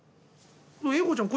栄子ちゃん